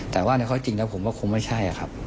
แต่ว่าในข้อจริงแล้วผมว่าคงไม่ใช่ครับ